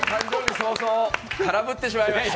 早々、空振ってしまいました。